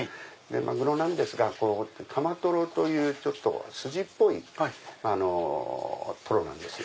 マグロなんですがカマトロという筋っぽいトロなんです。